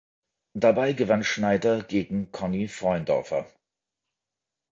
Dabei gewann Schneider gegen Conny Freundorfer.